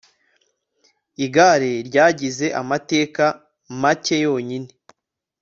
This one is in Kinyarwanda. igare ryagize amateka make yonyine